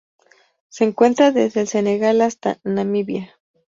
Se encuentra desde el Senegal hasta Namibia.